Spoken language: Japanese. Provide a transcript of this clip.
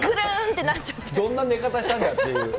どんな寝方したんだっていう。